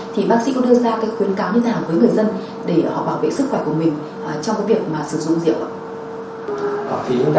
thì bác sĩ cũng đưa ra khuyến cáo như thế nào với người dân để họ bảo vệ sức khỏe của mình trong việc sử dụng rượu